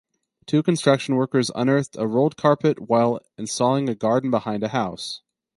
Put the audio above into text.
Two construction workers unearthed a rolled carpet while installing a garden behind a house.